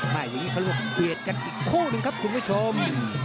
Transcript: อย่างนี้เขาเรียกเบียดกันอีกคู่หนึ่งครับคุณผู้ชม